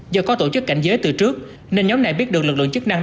do có tổ chức cảnh giới từ trước nên nhóm này biết được lực lượng chức năng